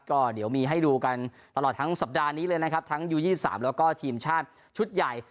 ก็เดี๋ยวมีให้ดูกันตลอดทั้งสัปดาห์นี้เลยนะครับทั้งยู๒๓แล้วก็ทีมชาติชุดใหญ่